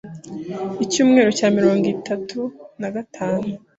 Icyumweru cya mirongo itatu na gatanu